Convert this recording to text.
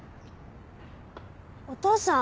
お父さん？